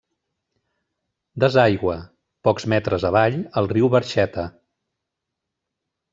Desaigua, pocs metres avall, al riu Barxeta.